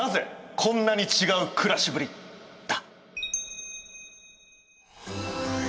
こんなに違う暮らしぶり」だ！